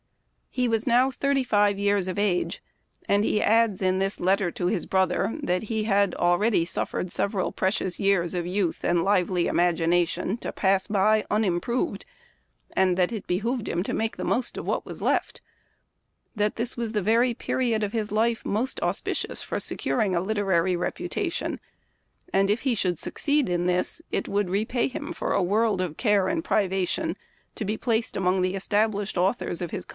He was now thirty five years of age ; and he adds in this letter to his brother that he had already suffered several precious years of youth and ilively imagination to pass by unimproved, and that it behooved him to make the most of what was left ; that this was the very period of his >life most auspicious for securing a literary repu tation, and if he should succeed in this it would repay him for a world of care and privation to be placed among the established authors of his 92 Memoir of Washington Irving.